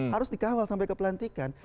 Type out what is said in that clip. harus dikawal sampai ke pelantikan